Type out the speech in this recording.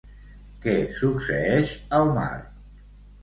Què succeeix al mar?